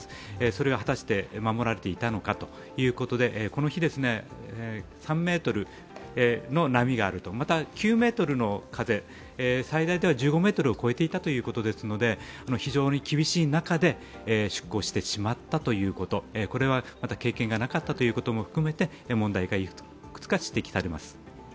それが果たして守られていたのかということで、この日、３ｍの波があると、また９メートルの風、最大では１５メートルを超えていたということですので非常に厳しい中で出航してしまったということ、これは経験がなかったということも含めて問題がいくつか指摘されます。